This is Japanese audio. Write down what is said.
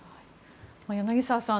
柳澤さん